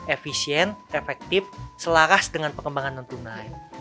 efisien efektif selaras dengan pengembangan non tunai